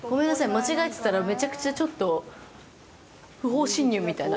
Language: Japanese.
間違えてたらめちゃくちゃちょっと不法侵入みたいな。